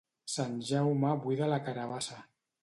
Sant Jaume buida la carabassa.